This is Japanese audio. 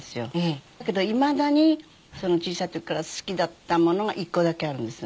だけどいまだに小さい時から好きだったものが１個だけあるんです。